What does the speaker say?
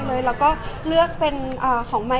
พอเสร็จจากเล็กคาเป็ดก็จะมีเยอะแยะมากมาย